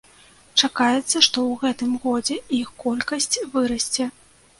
Чакаецца, што ў гэтым годзе іх колькасць вырасце.